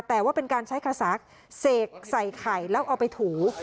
แต่ว่าเป็นการใช้คาสาเสกใส่ไข่แล้วเอาไปถู